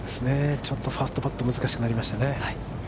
ちょっとファーストパット難しくなりますね。